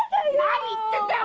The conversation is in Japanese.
何言ってんだよ